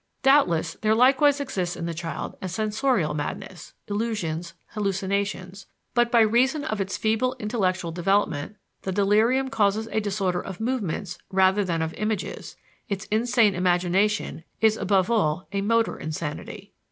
Doubtless, there likewise exists in the child a sensorial madness (illusions, hallucinations); but by reason of its feeble intellectual development the delirium causes a disorder of movements rather than of images; its insane imagination is above all a motor insanity.